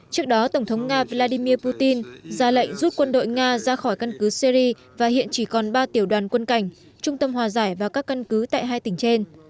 trước đó tổng thống nga vladimir putin ra lệnh rút quân đội nga ra khỏi căn cứ syri và hiện chỉ còn ba tiểu đoàn quân cảnh trung tâm hòa giải và các căn cứ tại hai tỉnh trên